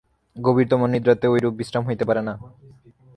গভীরতম নিদ্রাতেও ঐরূপ বিশ্রাম পাইতে পার না।